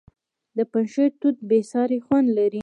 د پنجشیر توت بې ساري خوند لري.